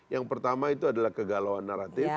yang pertama itu adalah kegalauan naratif